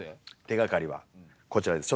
手がかりはこちらです。